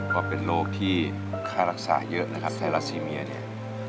ก็เป็นโรคที่ค่ารักษาเยอะนะครับไซรัสซีเมียเนี่ย